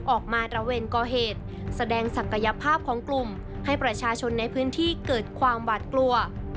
ระเวนก่อเหตุแสดงศักยภาพของกลุ่มให้ประชาชนในพื้นที่เกิดความหวาดกลัว